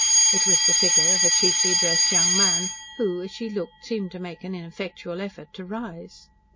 It was the figure of a cheaply dressed young man, who, as she looked, seemed to make an ineffectual effort to rise.